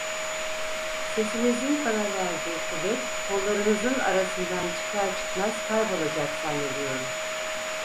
Sesinizin bana verdiği kuvvet kollarınızın arasından çıkar çıkmaz kaybolacak zannediyorum…